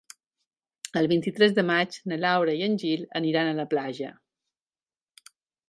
El vint-i-tres de maig na Laura i en Gil aniran a la platja.